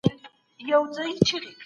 عدالت بايد د ټولو لپاره وي.